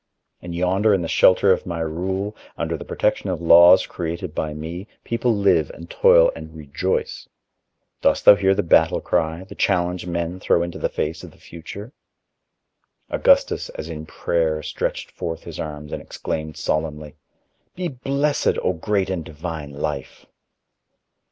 And yonder in the shelter of my rule, under the protection of laws created by me, people live and toil and rejoice. Dost thou hear the battle cry, the challenge men throw into the face of the future?" Augustus, as in prayer, stretched forth his arms and exclaimed solemnly: "Be blessed, O great and divine Life!"